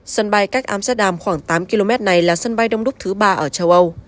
sân bay cách amsterdam khoảng tám km này là sân bay đông đúc thứ ba ở châu âu